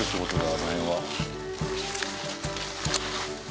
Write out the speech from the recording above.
あの辺は。